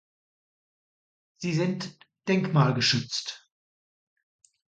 Sie sind denkmalgeschützt.